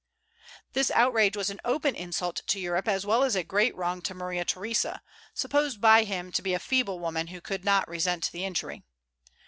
This outrage was an open insult to Europe, as well as a great wrong to Maria Theresa, supposed by him to be a feeble woman who could not resent the injury.